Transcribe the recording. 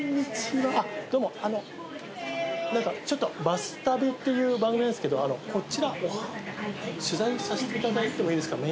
バス旅っていう番組なんですけどこちら取材させていただいてもいいですか？